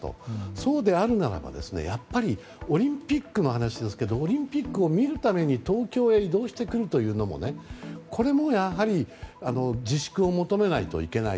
そうであるならば、やっぱりオリンピックの話ですけどオリンピックを見るために東京へ移動してくるというのもこれもやはり自粛を求めないといけない。